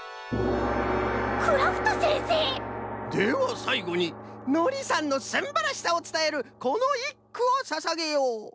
クラフトせんせい！ではさいごにのりさんのすんばらしさをつたえるこのいっくをささげよう。